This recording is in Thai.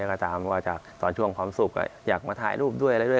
ก็ตามก็จากตอนช่วงความสุขก็อยากมาถ่ายรูปด้วยอะไรด้วย